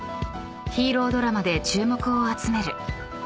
［ヒーロードラマで注目を集める］